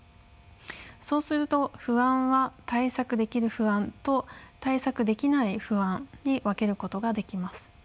そうすると不安は対策できる不安と対策できない不安に分けることができます。